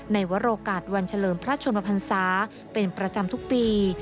ในวรโอกาสวันเฉลิมพระชนมพันศาเป็นประจำทุกปี